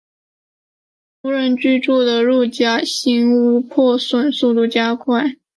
无人居住的陆家新屋破损速度加快。